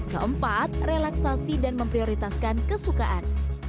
keempat relaksasi dan memprioritaskan kesukaan